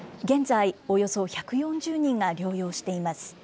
現在、およそ１４０人が療養しています。